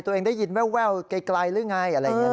ตัวเองได้ยินแววไกลหรือไงอะไรอย่างนี้